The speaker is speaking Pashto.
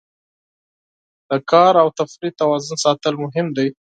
د کار او تفریح توازن ساتل مهم دي.